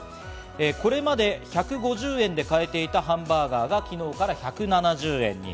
これまで１５０円で買えていたハンバーガーが昨日から１７０円に。